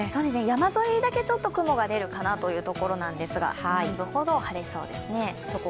山沿いだけちょっと雲が出るかなというところなんですが、南部ほど晴れそうですね。